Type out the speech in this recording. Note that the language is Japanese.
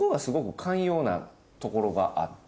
なところがあって。